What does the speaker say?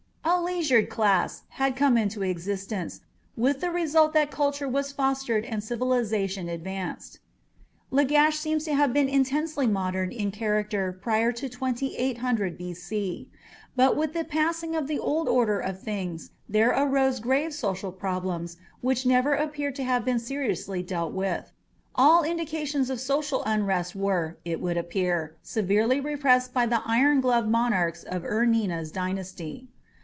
A leisured class had come into existence, with the result that culture was fostered and civilization advanced. Lagash seems to have been intensely modern in character prior to 2800 B.C., but with the passing of the old order of things there arose grave social problems which never appear to have been seriously dealt with. All indications of social unrest were, it would appear, severely repressed by the iron gloved monarchs of Ur Nina's dynasty.